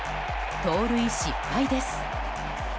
盗塁失敗です。